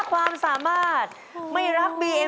กฎเพราะว่าแค่ท่านการณ์ตัวเอง